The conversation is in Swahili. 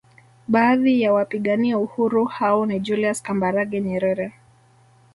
Baadhi ya wapigania uhuru hao ni Julius Kambarage Nyerere